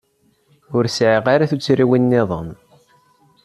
Ur sɛiɣ ara tuttriwin niḍen.